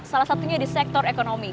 salah satunya di sektor ekonomi